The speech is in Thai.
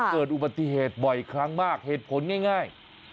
เกิดอุบัติเหตุบ่อยครั้งมากเหตุผลง่าย